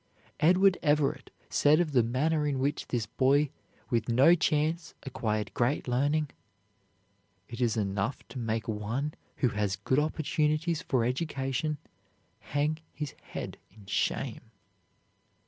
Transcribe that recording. Edward Everett said of the manner in which this boy with no chance acquired great learning: "It is enough to make one who has good opportunities for education hang his head in shame."